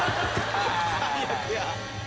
最悪や！